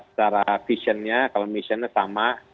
secara visionnya kalau missionnya sama